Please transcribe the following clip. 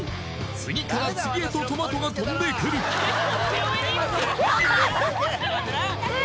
次から次へとトマトが飛んでくるキャー！